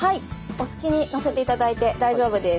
お好きにのせていただいて大丈夫です。